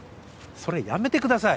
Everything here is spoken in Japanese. それやめてください